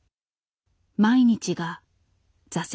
毎日が挫折。